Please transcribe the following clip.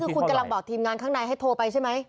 คือคุณกำลังบอกทีมงานข้างในให้โทรไปใช่ไหม